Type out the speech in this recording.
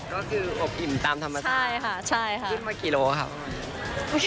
ก็คืออบอิ่มตามธรรมชาติขึ้นมากี่โลกรัมค่ะประมาณนี้